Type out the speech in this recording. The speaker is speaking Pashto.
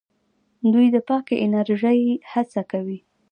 دوی د پاکې انرژۍ هڅه کوي.